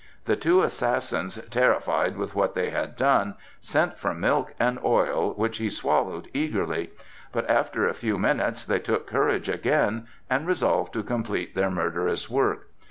The two assassins terrified with what they had done sent for milk and oil, which he swallowed eagerly. But after a few minutes they took courage again and resolved to complete their murderous work.